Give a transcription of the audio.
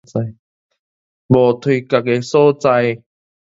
無退跤个所在